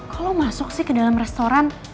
kok lo masuk sih ke dalam restoran